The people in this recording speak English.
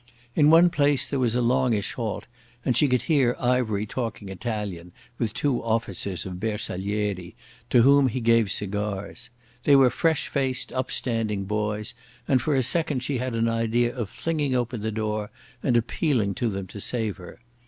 In one place there was a longish halt, and she could hear Ivery talking Italian with two officers of Bersaglieri, to whom he gave cigars. They were fresh faced, upstanding boys, and for a second she had an idea of flinging open the door and appealing to them to save her.